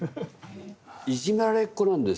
いじめられっ子なんですよ。